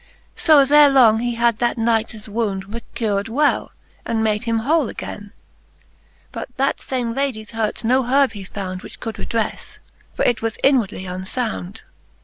So as ere long he had that knightes wound Recured well, and made him whole againe: But that iame Ladies hurts no herbe he found Which could redrefle, for it was inwardly unfound.